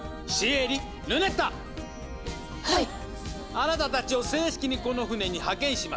あなたたちを正式にこの船に派遣します。